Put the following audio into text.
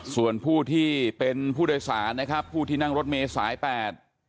ส่วนผู้ที่เป็นผู้โดยศาลผู้ที่นั่งรถเมฆสายแบบไม่